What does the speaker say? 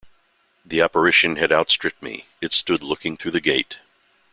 The apparition had outstripped me: it stood looking through the gate.